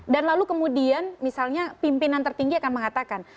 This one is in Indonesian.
dan lalu kemudian misalnya pimpinan tertinggi akan mengatakan